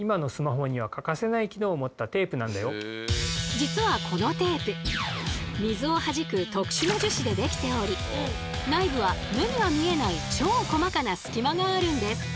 実はこのテープ水をはじく特殊な樹脂でできており内部は目には見えない超細かな隙間があるんです。